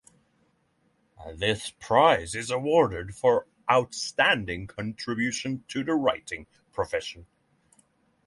This prize is awarded for outstanding contribution to the writing profession.